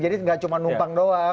jadi tidak cuma numpang saja